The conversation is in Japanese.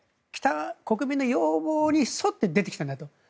国民の要望に沿って出てきたんだと。